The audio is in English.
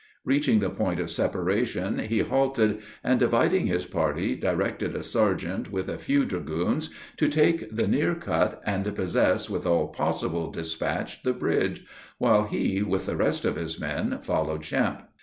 Reaching the point of separation, he halted, and, dividing his party, directed a sergeant, with a few dragoons, to take the near cut, and possess, with all possible dispatch, the bridge, while he, with the rest of his men, followed Champe.